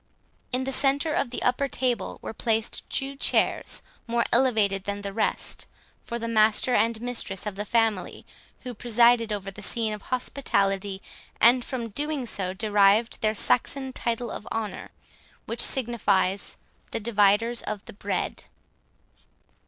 In the centre of the upper table, were placed two chairs more elevated than the rest, for the master and mistress of the family, who presided over the scene of hospitality, and from doing so derived their Saxon title of honour, which signifies "the Dividers of Bread."